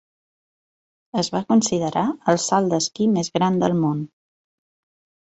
Es va considerar "el salt d'esquí més gran del món".